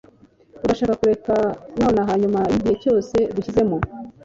Urashaka kureka nonaha nyuma yigihe cyose dushyizemo?